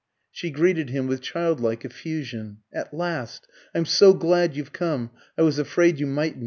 She greeted him with childlike effusion. "At last! I'm so glad you've come I was afraid you mightn't.